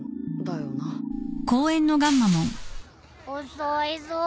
遅いぞ。